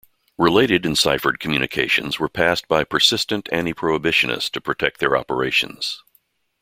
Related enciphered communications were passed by persistent anti-prohibitionists to protect their operations.